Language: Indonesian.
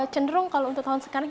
cenderung kalau untuk tahun sekarang